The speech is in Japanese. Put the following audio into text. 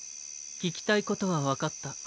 聞きたいことは分かった。